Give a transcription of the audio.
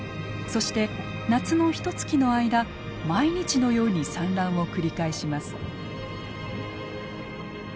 そして夏のひとつきの間毎日のように産卵を繰り返します。